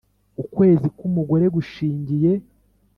ukwezi kwu mugore gushingiye